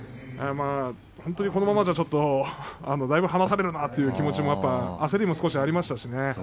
このままじゃだいぶ離されるなのという気持ち焦りがありました。